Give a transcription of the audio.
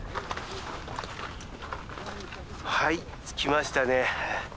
はい着きましたね。